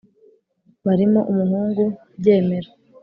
Barimo umuhungu Byemero